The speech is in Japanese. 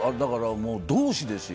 同志ですよ。